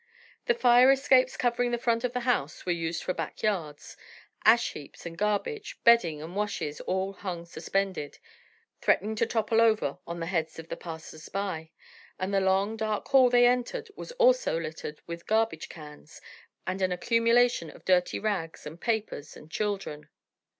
The fire escapes covering the front of the house were used for back yards—ash heaps and garbage, bedding and washes, all hung suspended, threatening to topple over on the heads of the passersby, and the long, dark hall they entered was also littered with garbage cans, and an accumulation of dirty rags and papers and children.